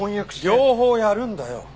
両方やるんだよ。